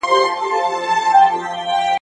کنې نو ښځه په هيڅ ځای کي